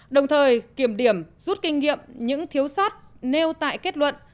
đồng thời kiểm điểm rút kinh nghiệm những thiếu sót nêu tại kết luận